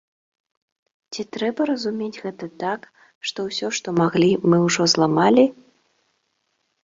Ці трэба разумець гэта так, што ўсё, што маглі, мы ўжо зламалі?